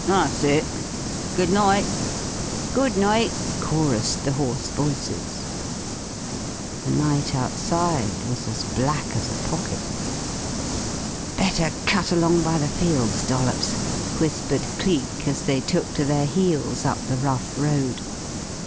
"That's it. Good night." "Good night," chorused the hoarse voices. The night outside was as black as a pocket. "Better cut along by the fields, Dollops," whispered Cleek as they took to their heels up the rough road.